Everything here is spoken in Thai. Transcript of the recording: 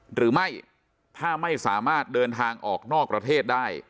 หรือไม่ถ้าไม่สามารถเดินทางออกนอกประเทศได้